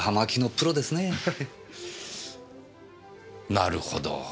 なるほど。